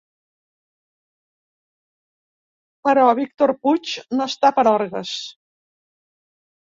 Però Víctor Puig no està per orgues.